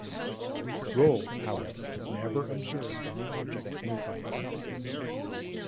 Roll, however, never observed any object move by itself.